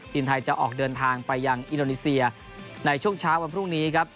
ทีมไทยจะออกเดินทางไปยังอินโดนีเซียในช่วงเช้าวันพรุ่งนี้ครับ